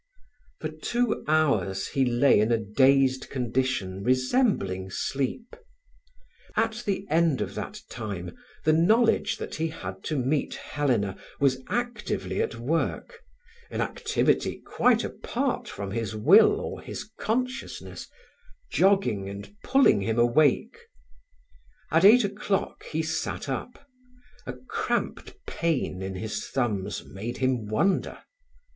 For two hours he lay in a dazed condition resembling sleep. At the end of that time the knowledge that he had to meet Helena was actively at work—an activity quite apart from his will or his consciousness, jogging and pulling him awake. At eight o'clock he sat up. A cramped pain in his thumbs made him wonder.